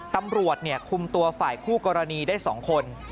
ตำรวจคุมตัวฝ่ายคู่กรณีได้๒คน